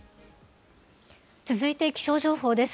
続いて気象情報です。